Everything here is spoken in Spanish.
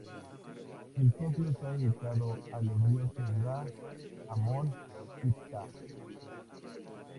El templo está dedicado a los dioses Ra, Amón y Ptah.